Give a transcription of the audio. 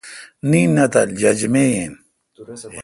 نین نہ تھال جاجمے یین۔